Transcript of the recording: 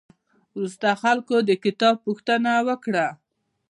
وروسته خلکو د کتاب پوښتنه وکړه.